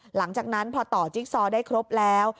หลังจากนั้นพอต่อจิ๊กซอได้ครบแล้ว